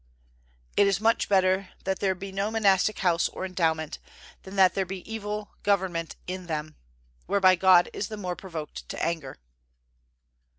It is much better that there be no monastic house or endowment than that there be evil government in them, whereby God is the more provoked to anger.